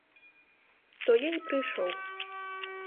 То я і прыйшоў.